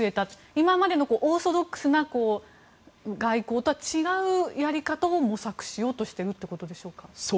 今までのオーソドックスな外交とは違うやり方を模索しようとしているということでしょうか。